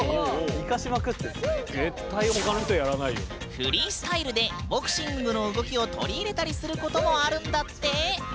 フリースタイルでボクシングの動きを取り入れたりすることもあるんだって！